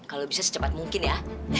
kalau bisa secepat mungkin ya